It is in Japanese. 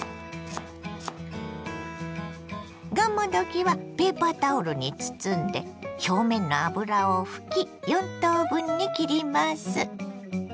がんもどきはペーパータオルに包んで表面の油を拭き４等分に切ります。